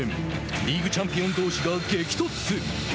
リーグチャンピオンどうしが激突！